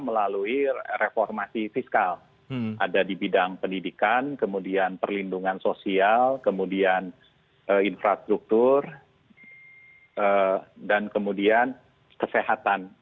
melalui reformasi fiskal ada di bidang pendidikan kemudian perlindungan sosial kemudian infrastruktur dan kemudian kesehatan